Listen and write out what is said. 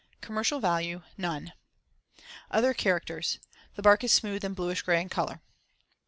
Commercial value: None. Other characters: The bark is smooth and bluish gray in color.